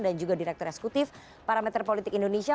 dan juga direktur eksekutif parameter politik indonesia